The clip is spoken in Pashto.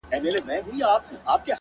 ږغ مي بدل سويدی اوس’